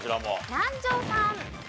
南條さん。